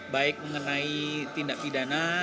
baik mengenai tindak pidana